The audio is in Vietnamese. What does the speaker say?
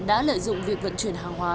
đã lợi dụng việc vận chuyển hàng hóa